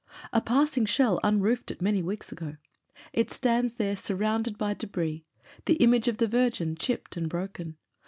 A passing shell unroofed it many weeks ago; it stands there surrounded by debris — the image of the Virgin, chipped and broken.